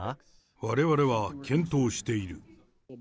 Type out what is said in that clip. われわれは検討している。